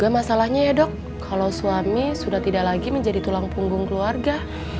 masalahnya ya dok kalau suami sudah tidak lagi menjadi tulang punggung keluarga